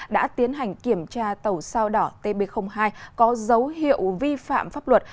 đã tiến hành kiểm tra tàu sao đỏ tb hai có dấu hiệu vi phạm pháp luật